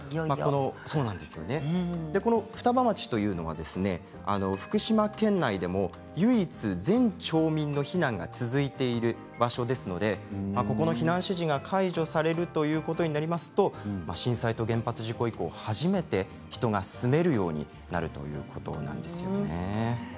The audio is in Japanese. この双葉町は福島県内でも唯一全町民の避難が続いている場所ですので避難指示が解除されるということになりますと震災と原発事故以降、初めて人が住めるようになるということなんですよね。